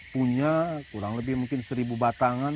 punya kurang lebih mungkin seribu batangan